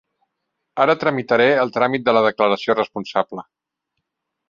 Ara tramitaré el tràmit de la declaració responsable.